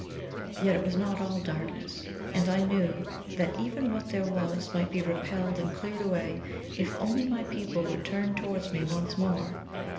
Yet it was not all darkness, and I knew that even what there was might be repelled and cleared away if only my people would turn towards me once more.